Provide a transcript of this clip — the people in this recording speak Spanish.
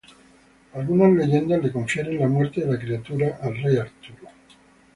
Algunas leyendas le confieren la muerte de la criatura al Rey Arturo.